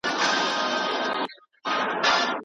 تعلیم د ګټو د لوړولو سبب ګرځي.